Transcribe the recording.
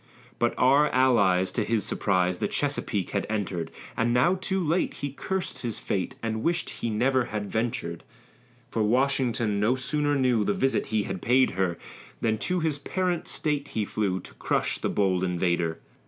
But our allies, to his surprise, The Chesapeake had enter'd; And now too late, he curs'd his fate, And wish'd he ne'er had ventur'd, For Washington no sooner knew The visit he had paid her, Than to his parent State he flew, To crush the bold invader.